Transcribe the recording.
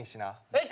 はい。